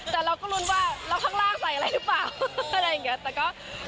แต่เราก็รู้ว่าเราข้างล่างใส่อะไรหรือเปล่าอะไรอย่างเงี้ย